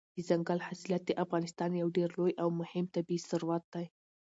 دځنګل حاصلات د افغانستان یو ډېر لوی او مهم طبعي ثروت دی.